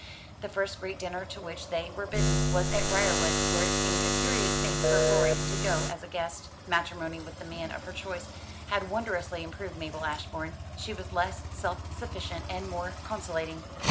The first great dinner to which they were bidden was at Briarwood, where it seemed a curious thing for Rorie to go as a guest. Matrimony with the man of her choice had wondrously improved Mabel Ashbourne. She was less self sufficient and more conciliating.